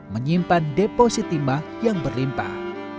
menyimpan deposit timah yang berlimpah